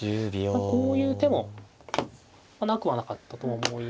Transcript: こういう手もなくはなかったと思いますが。